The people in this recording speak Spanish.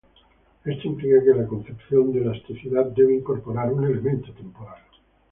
Eso implica que la concepción de elasticidad debe incorporar un elemento temporal.